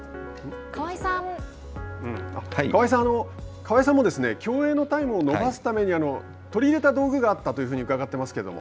河合さんも競泳のタイムを伸ばすために取り入れた道具があったというふうに伺ってますけれども。